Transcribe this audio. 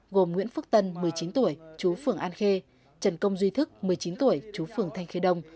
gồm nguyễn phước tân một mươi chín tuổi chú phường an khê trần công duy thức một mươi chín tuổi chú phường thanh khê đông